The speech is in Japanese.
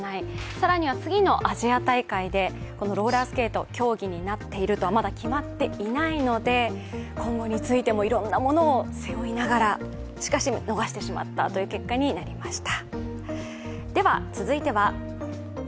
更には次のアジア大会で、このローラースケートは競技になっているとはまだ決まっていないので今後についてもいろんなものを背負いながらしかし、逃してしまったといった結果になってしまいました。